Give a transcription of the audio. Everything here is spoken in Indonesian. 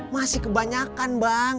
masih kebanyakan bang